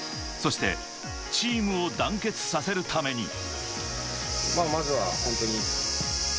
そしてチームを団結させるために。